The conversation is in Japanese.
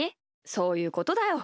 そういうことだよ。